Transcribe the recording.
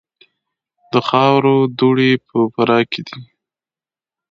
د خاورو دوړې په فراه کې دي